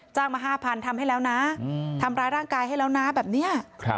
มา๕๐๐ทำให้แล้วนะทำร้ายร่างกายให้แล้วนะแบบนี้